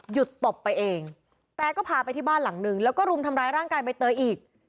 ตบไปเองแต่ก็พาไปที่บ้านหลังนึงแล้วก็รุมทำร้ายร่างกายใบเตยอีก